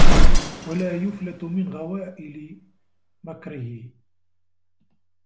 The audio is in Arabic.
وَلَا يُفْلَتُ مِنْ غَوَائِلِ مَكْرِهِ